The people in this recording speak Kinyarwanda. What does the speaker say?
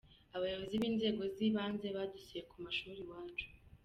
abayobozi b'inzego zibanze badusuye kumashuri iwacu.